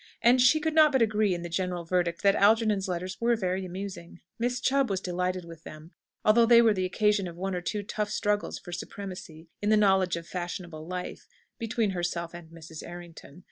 And she could not but agree in the general verdict, that Algernon's letters were very amusing. Miss Chubb was delighted with them; although they were the occasion of one or two tough struggles for supremacy in the knowledge of fashionable life between herself and Mrs. Errington.